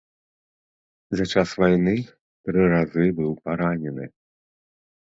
За час вайны тры разы быў паранены.